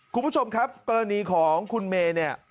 คุณผู้ชมครับกรณีของคุณเมย์เนี่ย